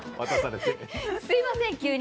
すみません急に。